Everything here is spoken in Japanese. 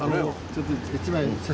ちょっと１枚。